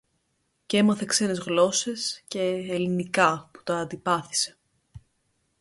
και έμαθε ξένες γλώσσες και "ελληνικά" που τα αντιπάθησε